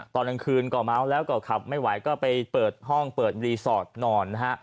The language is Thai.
ตอนกลางคืนก็เมาแล้วก็ขับไม่ไหวก็ไปเปิดห้องเปิดรีสอร์ทนอนนะฮะ